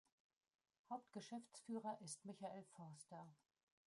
Hauptgeschäftsführer ist Michael Forster.